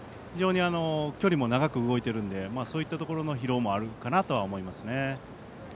距離も長く動くのでそういったところの疲労もあるかなとは思いますね。